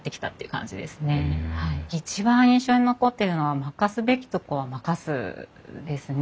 一番印象に残ってるのは任すべきとこは任すですね。